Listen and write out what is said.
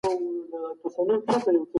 د خلکو برابري د پرمختګ په لاره کې بنسټیزه ده.